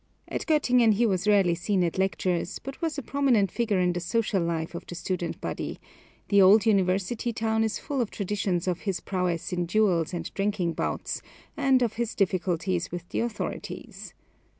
At Göttingen he was rarely seen at lectures, but was a prominent figure in the social life of the student body: the old university town is full of traditions of his prowess in duels and drinking bouts, and of his difficulties with the authorities.